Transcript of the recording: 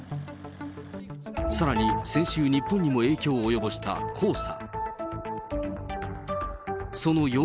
さらに、先週日本にも影響を及ぼした黄砂。